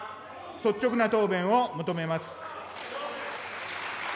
率直な答弁を求めます。